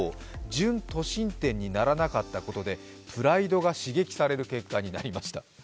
準都心店にならなかったことで、プライドが刺激される結果になりました。